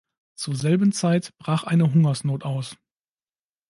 Zur selben Zeit brach eine Hungersnot aus.